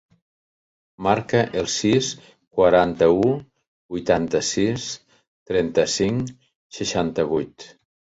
Marca el sis, quaranta-u, vuitanta-sis, trenta-cinc, seixanta-vuit.